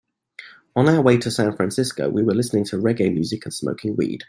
On our way to San Francisco, we were listening to reggae music and smoking weed.